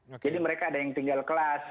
jadi mereka ada yang tinggal kelas